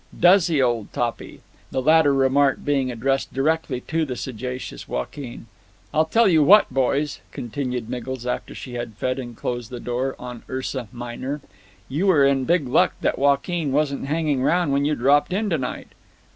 "Does he, old Toppy?" (the latter remark being addressed directly to the sagacious Joaquin). "I tell you what, boys," continued Miggles after she had fed and closed the door on URSA MINOR, "you were in big luck that Joaquin wasn't hanging round when you dropped in tonight."